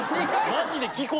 マジで。